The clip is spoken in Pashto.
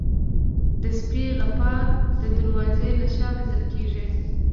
د سپي غپا د دروازې له شا اورېدل کېږي.